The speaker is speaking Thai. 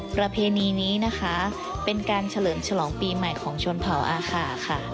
ประเพณีนี้นะคะเป็นการเฉลิมฉลองปีใหม่ของชนเผาอาขาค่ะ